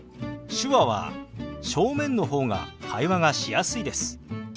手話は正面の方が会話がしやすいです。